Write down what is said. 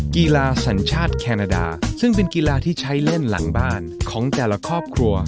กีฬาสัญชาติแคนาดาซึ่งเป็นกีฬาที่ใช้เล่นหลังบ้านของแต่ละครอบครัว